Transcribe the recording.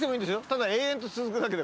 ただ延々と続くだけで。